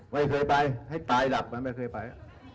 ไม่เคยไปให้ตายหลับมันไม่เคยไป